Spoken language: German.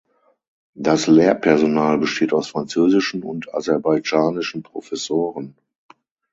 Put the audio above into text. Das Lehrpersonal besteht aus französischen und aserbaidschanischen Professoren.